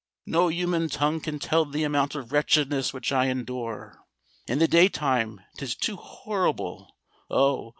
No human tongue can tell the amount of wretchedness which I endure. In the day time 'tis too horrible—oh!